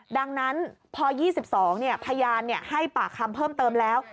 ดังนั้นพอ๒๒พยานให้ปากคำเพิ่มเติมแล้ว